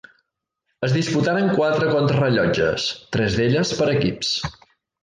Es disputaren quatre contrarellotges, tres d'elles per equips.